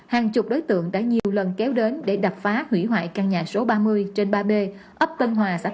hàng chục đối tượng đã nhiều lần kéo đến để đập phá hủy hoại căn nhà số ba mươi trên ba b ấp tân hòa xã tân hiệp